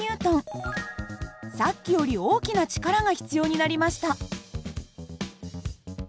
さっきより大きな力が必要になりました。